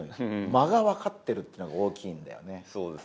間が分かってるっていうのが大きいんだよね